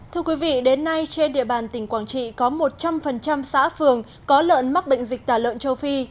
thưa quý vị đến nay trên địa bàn tỉnh quảng trị có một trăm linh xã phường có lợn mắc bệnh dịch tả lợn châu phi